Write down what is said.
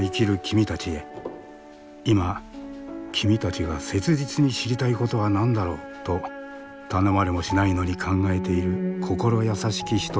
「今君たちが切実に知りたいことは何だろう？」と頼まれもしないのに考えている心優しき人たちがいる。